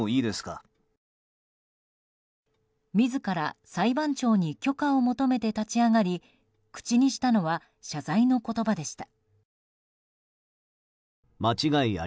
自ら裁判長に許可を求めて立ち上がり口にしたのは謝罪の言葉でした。